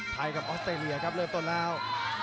กับออสเตรเลียครับเริ่มต้นแล้ว